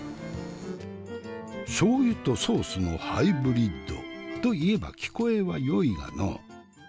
しょう油とソースのハイブリッドといえば聞こえはよいがのう。